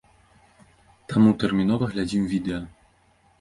Таму тэрмінова глядзім відэа!